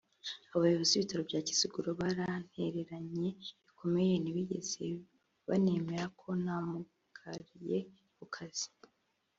Abayobozi b’Ibitaro bya Kiziguro barantereranye bikomeye ntibigeze banemera ko namugariye ku kazi